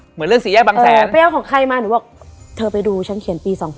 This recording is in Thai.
เหมือนเรื่องสี่แยกบางแสนไปเอาของใครมาหนูบอกเธอไปดูฉันเขียนปี๒๕๖